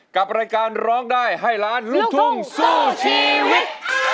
กับรายการร้องได้ให้ล้านลูกทุ่งสู้ชีวิต